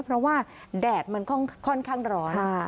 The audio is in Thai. เพราะว่าแดดมันค่อนข้างร้อน